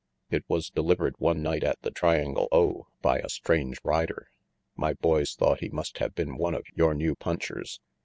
"It was delivered one night at the Triangle O by a strange rider. My boys thought he must have been one of your new punchers.